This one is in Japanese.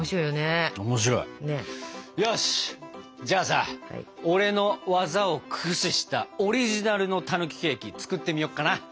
じゃあさ俺の技を駆使したオリジナルのたぬきケーキ作ってみようかな。